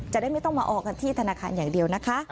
จะได้ไม่ต้องมาออกันที่ธนาคารอย่างเดียวนะคะ